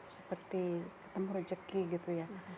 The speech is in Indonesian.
seperti ketemu rejeki gitu ya